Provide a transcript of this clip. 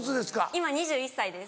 今２１歳です。